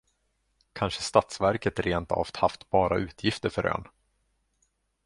Kanske statsverket rentav haft bara utgifter för ön?